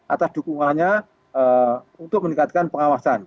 atas dukungannya untuk meningkatkan pengawasan